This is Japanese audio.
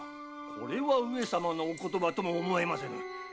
これは上様のお言葉とも思えませぬな。